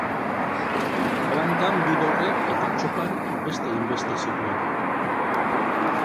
Brankan bi dorre eta txopan beste hainbeste zituen.